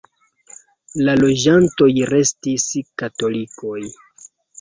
La loĝantoj restis katolikoj.